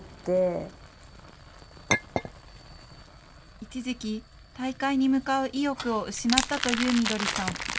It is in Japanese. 一時期、大会に向かう意欲を失ったというみどりさん。